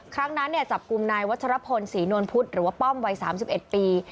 ครั้งนั้นจับกลุ่มนายวัชรพลศรีนวลพุทธหรือว่าป้อมวัย๓๑ปี